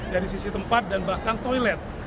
dari sisi tempat dan bahkan toilet